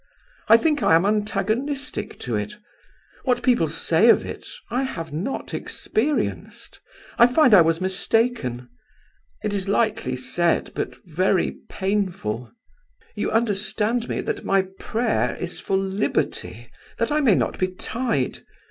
I think I am antagonistic to it. What people say of it I have not experienced. I find I was mistaken. It is lightly said, but very painful. You understand me, that my prayer is for liberty, that I may not be tied.